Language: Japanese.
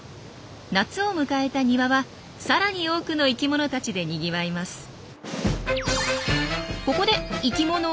夏を迎えた庭はさらに多くの生きものたちでにぎわいます。